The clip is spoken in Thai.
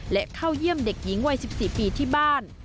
และเข้าเยี่ยมเด็กหญิงวัย๑๔ปีที่บ้าน